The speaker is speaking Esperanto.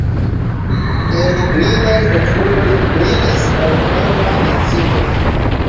En liaj okuloj brilis malvarma decido.